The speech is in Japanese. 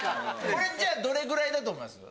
じゃあどれぐらいだと思います？